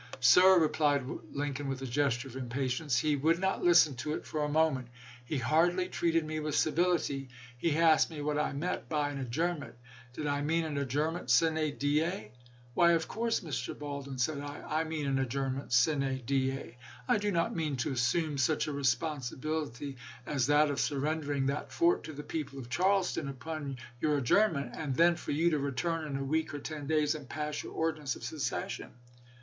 Sir (replied Lincoln, with a gesture of impatience), he would not listen to it for a moment; he hardly treated me with civility. He asked me what I meant by an ad journment; did 1 1 mean an adjournment sine die f Why, of course, Mr. Baldwin, said I, I mean an adjournment sine die. I do not mean to assume such a responsibility as that of surrendering that fort to the people of Charles ton upon your adjournment, and then for you to return in a week or ten days and pass your ordinance of secession.